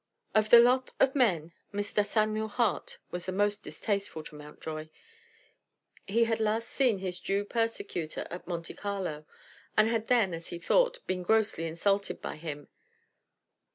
Of the lot of men, Mr. Samuel Hart was the most distasteful to Mountjoy. He had last seen his Jew persecutor at Monte Carlo, and had then, as he thought, been grossly insulted by him.